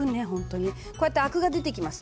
こうやってアクが出てきます。